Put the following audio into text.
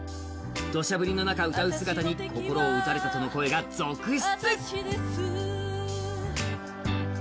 どしゃ降りの中歌う姿に心を打たれたという声が続出。